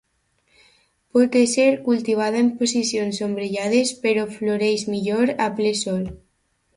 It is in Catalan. Pot ésser cultivada en posicions ombrejades, però floreix millor a ple Sol.